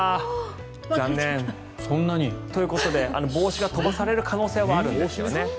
残念！ということで帽子が飛ばされる可能性もあるんですね。